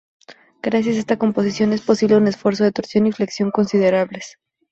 Gracias a esta composición es posible un esfuerzo de torsión y flexión considerables.